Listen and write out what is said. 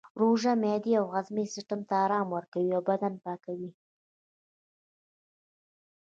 روژه معدې او هاضمې سیستم ته ارام ورکوي او بدن پاکوي